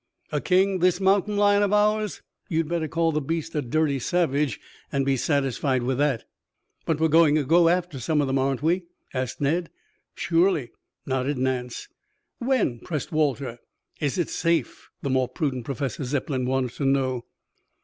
A king this mountain lion of ours? You'd better call the beast a dirty savage, and be satisfied with that." "But we're going to go after some of them, aren't we?" asked Ned. "Surely," nodded Nance. "When?" pressed Walter. "Is it safe?" the more prudent Professor Zepplin wanted to know.